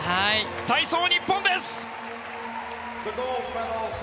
体操日本です！